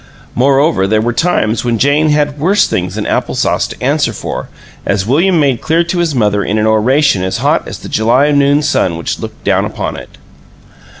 Moreover, there were times when Jane had worse things than apple sauce to answer for, as William made clear to his mother in an oration as hot as the July noon sun which looked down upon it.